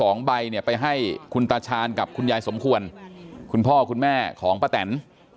สองใบเนี่ยไปให้คุณตาชาญกับคุณยายสมควรคุณพ่อคุณแม่ของป้าแตน